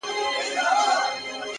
هوښیار انسان له هرې شېبې ګټه اخلي,